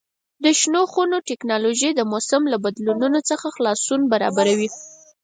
د شنو خونو تکنالوژي د موسم له بدلون څخه خلاصون برابروي.